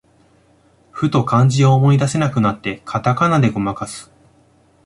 ふと漢字を思い出せなくなって、カタカナでごまかす